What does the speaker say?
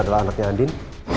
kalau anaknya andin